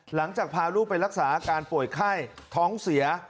หลังจากพาลูกไปรักษาอาการป่วยไข้ท้องเสีย